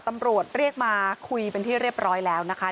ตำรวจเรียกมาคุยเป็นที่เรียบร้อยแล้วนะคะ